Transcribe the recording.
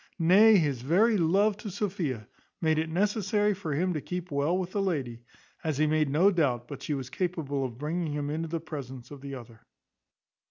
Nay, his very love to Sophia made it necessary for him to keep well with the lady, as he made no doubt but she was capable of bringing him into the presence of the other.